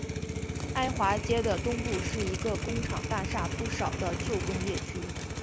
埃华街的东部是一个工厂大厦不少的旧工业区。